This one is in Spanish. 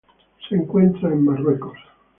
Se encuentra en Marruecos.